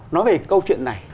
nói về câu chuyện này